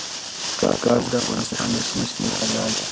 ګاز د افغانستان د شنو سیمو ښکلا ده.